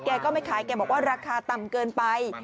ก็ไม่ขายแกบอกว่าราคาต่ำเกินไป